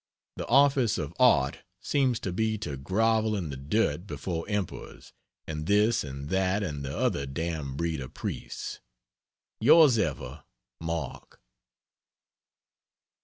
The office of art seems to be to grovel in the dirt before Emperors and this and that and the other damned breed of priests. Yrs ever MARK.